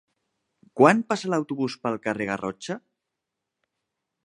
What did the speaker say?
Quan passa l'autobús pel carrer Garrotxa?